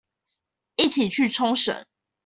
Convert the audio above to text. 一起去沖繩